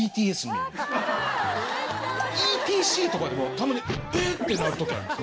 ＥＴＣとかでもたまに「え？」ってなる時あります。